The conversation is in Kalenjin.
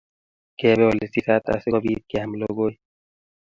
Ngebe ole sisaat asikopit keam lokoy.